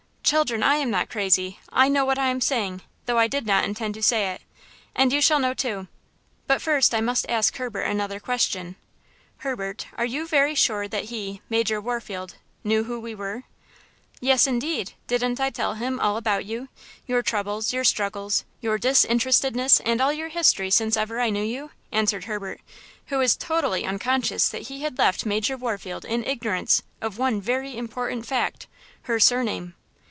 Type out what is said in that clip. "Children, I am not crazy! I know what I am saying, though I did not intend to say it! And you shall know, too! But first I must ask Herbert another question: Herbert, are you very sure that he–Major Warfield–knew who we were?" "Yes, indeed; didn't I tell him all about you–your troubles, your struggles, your disinterestedness and all your history since ever I knew you?" answered Herbert, who was totally unconscious that he had left Major Warfield in ignorance of one very important fact–her surname.